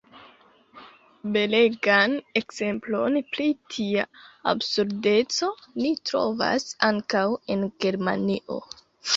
Belegan ekzemplon pri tia absurdeco ni trovas ankaŭ en Germanio.